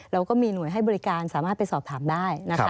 เราก็มีหน่วยให้บริการสามารถไปสอบถามได้นะคะ